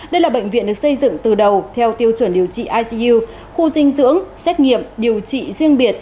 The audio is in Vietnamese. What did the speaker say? đây là bệnh viện được xây dựng từ đầu theo tiêu chuẩn điều trị icu khu dinh dưỡng xét nghiệm điều trị riêng biệt